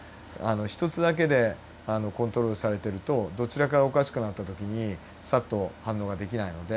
一つだけでコントロールされてるとどちらかがおかしくなった時にさっと反応ができないので。